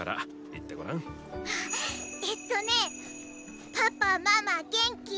えっとねパパママげんき？